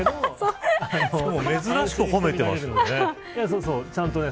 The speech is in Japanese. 珍しく、ほめてますよね。